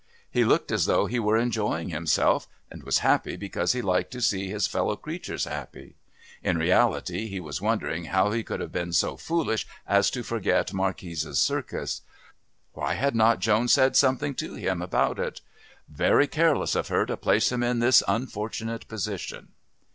He looked as though he were enjoying himself and was happy because he liked to see his fellow creatures happy; in reality he was wondering how he could have been so foolish as to forget Marquis' Circus. Why had not Joan said something to him about it? Very careless of her to place him in this unfortunate position.